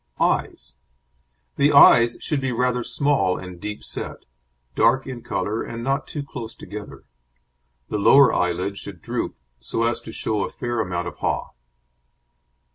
EYES The eyes should be rather small and deep set, dark in colour and not too close together; the lower eyelid should droop, so as to show a fair amount of haw.